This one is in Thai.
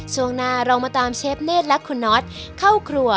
ช่วงหน้าเรามาตามเชฟเนธและคุณน็อตเข้าครัว